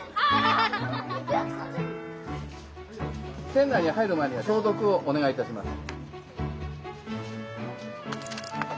店内に入る前には消毒をお願いいたします。